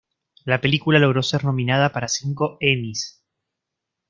La película logró ser nominada para cinco Emmys.